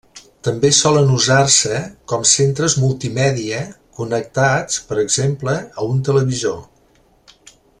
També solen usar-se com centres multimèdia, connectats per exemple a un televisor.